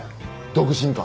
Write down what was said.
独身か？